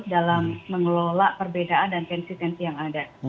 dalam mengelola perbedaan dan konsistensi yang ada